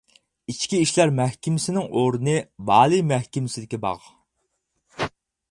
ئىچكى ئىشلار مەھكىمىسىنىڭ ئورنى-ۋالىي مەھكىمىسىدىكى باغ.